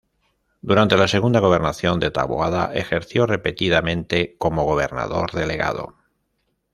Durante la segunda gobernación de Taboada ejerció repetidamente como gobernador delegado.